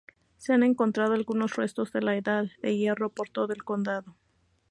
Se han encontrado algunos restos de la Edad de hierro por todo el condado.